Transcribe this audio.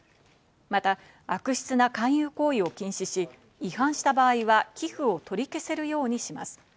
また、悪質な勧誘行為を禁止し、違反した場合は寄付を取り消せるようにします。